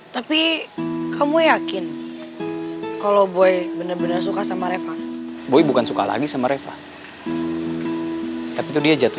tapi kamu yakin kalau boy benar benar suka sama reva boy bukan suka lagi sama reva tapi tuh dia jatuh